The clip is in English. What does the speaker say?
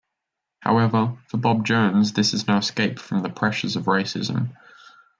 However, for Bob Jones this is no escape from the pressures of racism.